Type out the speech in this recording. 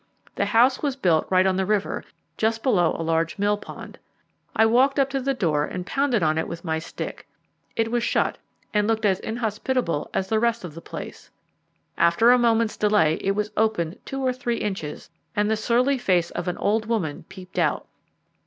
The house was built right on the river, just below a large mill pond. I walked up to the door and pounded on it with my stick. It was shut, and looked as inhospitable as the rest of the place. After a moment's delay it was opened two or three inches, and the surly face of an old woman peeped out.